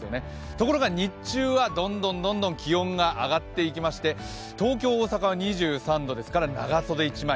ところが日中はどんどんどんどん気温が上がっていきまして、東京、大阪は２３度ですから長袖１枚。